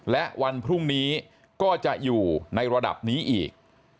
และวันพรุ่งนี้ก็จะอยู่ในระดับนี้อีก